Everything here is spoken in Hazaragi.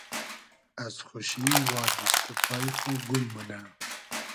از خوشی وا دیست و پای خو گوم مونۂ